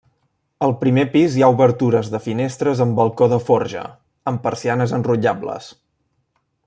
Al primer pis hi ha obertures de finestres amb balcó de forja, amb persianes enrotllables.